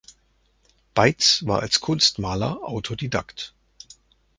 Beitz war als Kunstmaler Autodidakt.